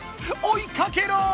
おいかけろ！